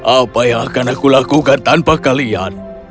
apa yang akan aku lakukan tanpa kalian